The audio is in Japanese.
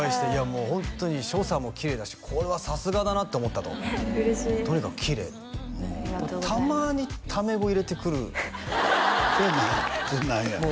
もうホントに所作もきれいだしこれはさすがだなって思ったと嬉しいとにかくきれいたまにタメ語入れてくるそれは何やの？